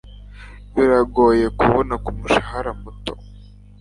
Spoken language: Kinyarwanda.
Biragoye kubona kumushahara muto